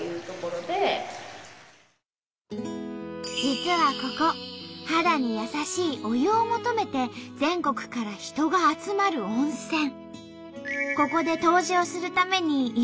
実はここ肌に優しいお湯を求めて全国から人が集まる温泉。